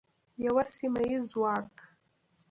یو سیمه ییز ځواک.